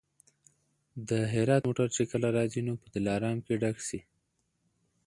د هرات موټر چي کله راځي نو په دلارام کي ډک سي.